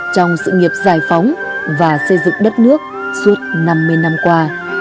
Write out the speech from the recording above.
trong sự nghiệp giải phóng và xây dựng đất nước suốt năm mươi năm qua